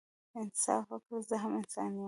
انصاف وکړئ زه هم انسان يم